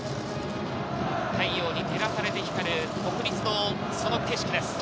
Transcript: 太陽に照らされて光る、国立のその景色です。